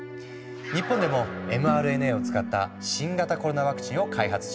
日本でもｍＲＮＡを使った新型コロナワクチンを開発中。